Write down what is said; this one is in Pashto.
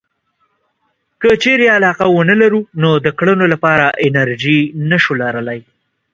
که چېرې علاقه ونه لرو نو د کړنو لپاره انرژي نشو لرلای.